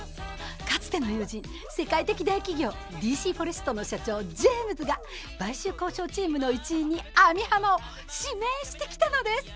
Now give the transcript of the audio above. かつての友人世界的大企業ＤＣフォレストの社長ジェームズが買収交渉チームの一員に網浜を指名してきたのです。